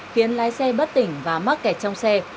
khiến lái xe bất tỉnh và mắc kẹt trong xe